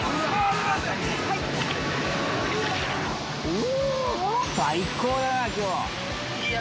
お！